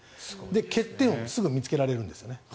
欠点をすぐに見つけられるんです。